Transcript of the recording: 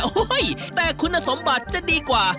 โอ้โหแต่คุณสมบัติจะดีกว่า